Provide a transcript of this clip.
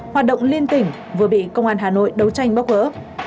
hoạt động liên tỉnh vừa bị công an hà nội đấu tranh bóc gỡ